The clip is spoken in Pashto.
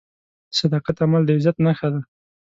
د صداقت عمل د عزت نښه ده.